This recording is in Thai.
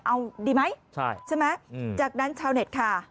เอาดีไหมใช่ไหมจากนั้นชาวเน็ตค่ะ